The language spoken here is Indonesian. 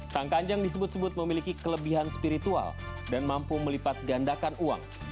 sang kanjeng disebut sebut memiliki kelebihan spiritual dan mampu melipat gandakan uang